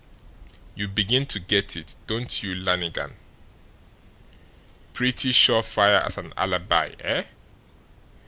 You begin to get it, don't you Lannigan? Pretty sure fire as an alibi, eh?